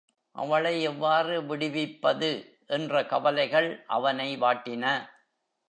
அவளை எவ்வாறு விடுவிப்பது? என்ற கவலைகள் அவனை வாட்டின.